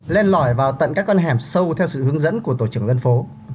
lên lỏi vào tận các con hẻm sâu theo sự hướng dẫn của tổ trưởng dân phố